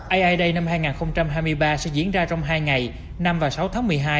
ai day năm hai nghìn hai mươi ba sẽ diễn ra trong hai ngày năm và sáu tháng một mươi hai